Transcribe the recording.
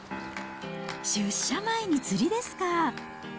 出社前に釣りですか。